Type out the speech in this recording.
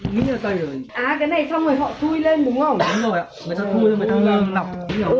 đúng rồi ạ người ta thui lên người ta nọc